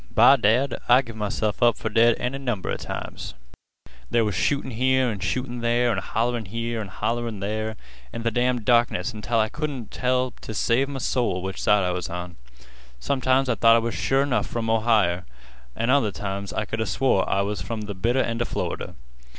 By dad, I give myself up fer dead any number 'a times. There was shootin' here an' shootin' there, an' hollerin' here an' hollerin' there, in th' damn' darkness, until I couldn't tell t' save m' soul which side I was on. Sometimes I thought I was sure 'nough from Ohier, an' other times I could 'a swore I was from th' bitter end of Florida.